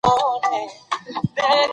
ماشوم له لوړي ځای څخه مه غورځوئ.